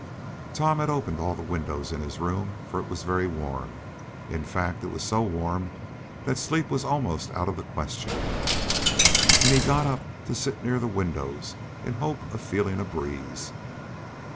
Tom had opened all the windows in his room, for it was very warm. In fact it was so warm that sleep was almost out of the question, and he got up to sit near the windows in the hope of feeling a breeze.